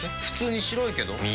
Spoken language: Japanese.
普通に白いけど。